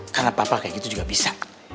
karena papa kayak gitu juga bisa